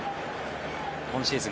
今シーズン